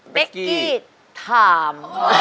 เบ็กกี้ถาม